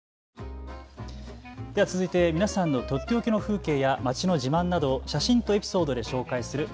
続いて皆さんのとっておきの風景や街の自慢などを写真とエピソードで紹介する＃